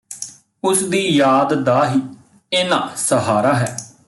ਉਸਦੀ ਯਾਦ ਦਾ ਹੀ ਇੰਨਾਂ ਸਹਾਰਾ ਹੈ